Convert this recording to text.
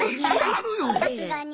さすがに。